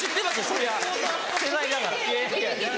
そりゃ世代だから。